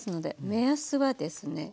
目安はですね